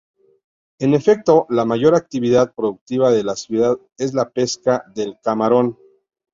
En efecto, la mayor actividad productiva de la ciudad es la pesca del camarón.